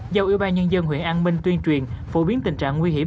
giao ủy ban nhân dân huyện an minh tuyên truyền phổ biến tình trạng nguy hiểm